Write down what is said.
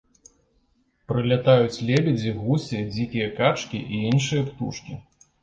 Прылятаюць лебедзі, гусі, дзікія качкі і іншыя птушкі.